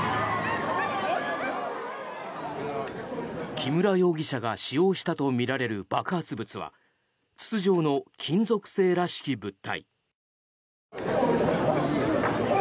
木村容疑者が使用したとみられる爆発物は筒状の金属製らしき物体。